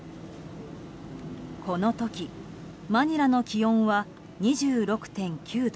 この時、マニラの気温は２６．９度。